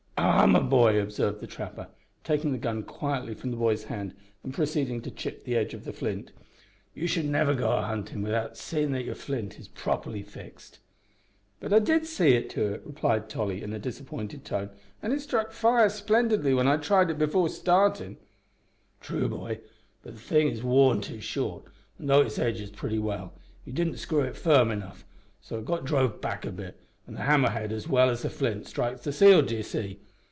"Ah! my boy," observed the trapper, taking the gun quietly from the boy's hand and proceeding to chip the edge of the flint, "you should never go a huntin' without seein' that your flint is properly fixed." "But I did see to it," replied Tolly, in a disappointed tone, "and it struck fire splendidly when I tried it before startin'." "True, boy, but the thing is worn too short, an' though its edge is pretty well, you didn't screw it firm enough, so it got drove back a bit and the hammer head, as well as the flint, strikes the steel, d'ye see?